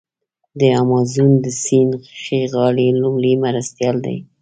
د امازون د سیند ښي غاړی لوی مرستیال دی.